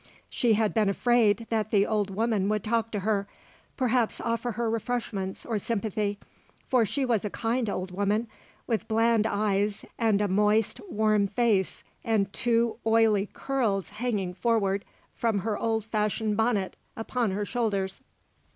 She had been afraid that the old woman would talk to her, perhaps offer her refreshments, or sympathy; for she was a kind old woman, with bland eyes and a moist warm face and two oily curls hanging forward from her old fashioned bonnet upon her shoulders.